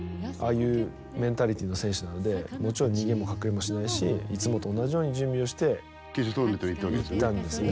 いうメンタリティーの選手なのでもちろん逃げも隠れもしないしいつもと同じように準備をしていったんですね